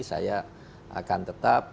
saya akan tetap